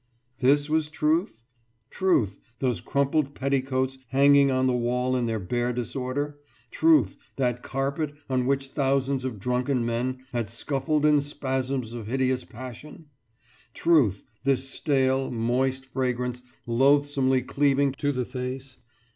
« This was Truth? Truth those crumpled petticoats hanging on the wall in their bare disorder? Truth that carpet on which thousands of drunken men had scuffled in spasms of hideous passion? Truth this stale, moist fragrance, loathesomely cleaving to the face?